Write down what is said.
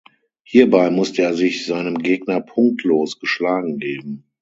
Hierbei musste er sich seinem Gegner punktlos geschlagen geben.